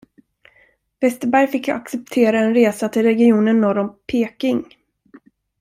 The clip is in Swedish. Westerberg fick acceptera en resa till regionen norr om Peking.